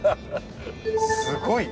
すごい！